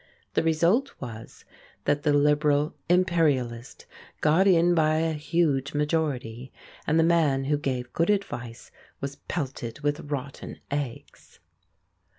The result was that the Liberal Imperialist got in by a huge majority, and the man who gave good advice was pelted with rotten eggs.